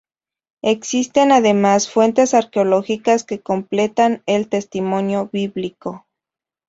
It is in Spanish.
Existen además fuentes arqueológicas que completan el testimonio bíblico.